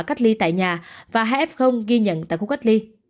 cách ly tại nhà và hai f ghi nhận tại khu cách ly